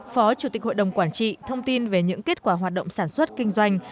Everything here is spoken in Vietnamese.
phó chủ tịch hội đồng quản trị thông tin về những kết quả hoạt động sản xuất kinh doanh